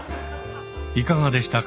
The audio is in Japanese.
いかがでしたか。